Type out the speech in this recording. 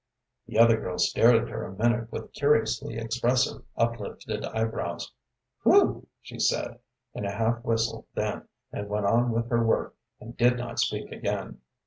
The other girl stared at her a minute with curiously expressive, uplifted eyebrows. "Whew!" she said, in a half whistle then, and went on with her work, and did not speak again.